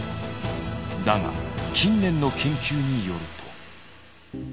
だが近年の研究によると。